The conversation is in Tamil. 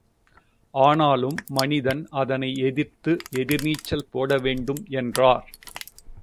ஆனாலும் மனிதன் அதனை எதிர்த்து எதிர் நீச்சல் போட வேண்டும் என்றார்.